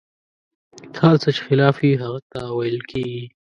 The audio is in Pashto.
هر څه چې خلاف وي، هغه تاویل کېږي.